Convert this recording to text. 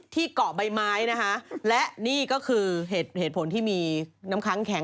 เกาะใบไม้นะคะและนี่ก็คือเหตุผลที่มีน้ำค้างแข็ง